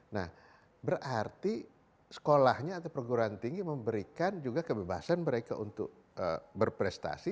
nah berarti sekolahnya atau perguruan tinggi memberikan juga kebebasan mereka untuk berprestasi